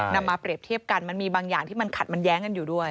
นำมาเปรียบเทียบกันมันมีบางอย่างที่มันขัดมันแย้งกันอยู่ด้วย